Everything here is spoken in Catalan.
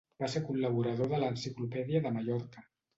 Va ser col·laborador de l'Enciclopèdia de Mallorca.